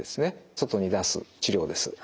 外に出す治療です。